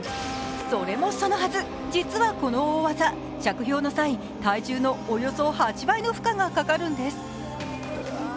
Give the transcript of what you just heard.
それもそのはず、実はこの大技、着氷の際、体重のおよそ８倍の負荷がかかるんです。